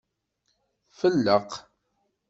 Felleq.